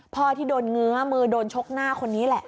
ที่โดนเงื้อมือโดนชกหน้าคนนี้แหละ